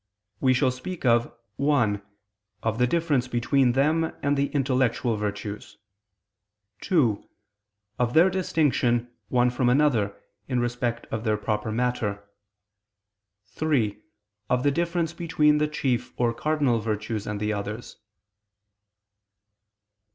We shall speak (1) of the difference between them and intellectual virtues; (2) of their distinction, one from another, in respect of their proper matter; (3) of the difference between the chief or cardinal virtues and the others.